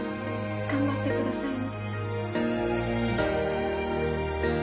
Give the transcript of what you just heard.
頑張ってくださいね。